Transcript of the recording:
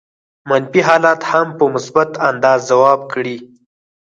منفي حالات هم په مثبت انداز ځواب کړي.